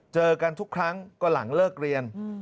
เจอกันทุกครั้งก็หลังเลิกเรียน